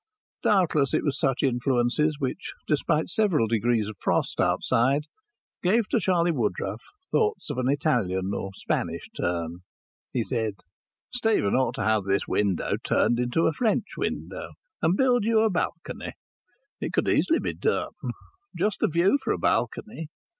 Doubtless it was such influences which, despite several degrees of frost outside, gave to Charlie Woodruff's thoughts an Italian, or Spanish, turn. He said: "Stephen ought to have this window turned into a French window, and build you a balcony. It could easily be done. Just the view for a balcony.